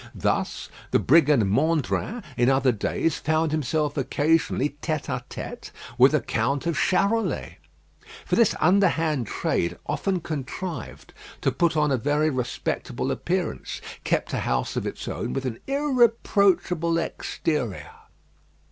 Thus the brigand Mandrin, in other days, found himself occasionally tête à tête with the Count of Charolais; for this underhand trade often contrived to put on a very respectable appearance; kept a house of its own with an irreproachable exterior.